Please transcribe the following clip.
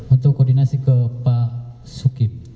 untuk koordinasi ke pak sukim